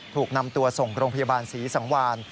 ถูกนำตัวส่งโรงพยาบาลศรีสังวาน